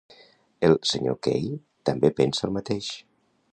El Sr. Kay també pensa el mateix.